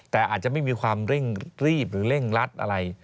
แต่อาจจะไม่มีความเร่งรีบหรือเร่งรัดอะไร